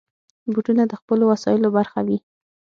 بوټونه د خپلو وسایلو برخه وي.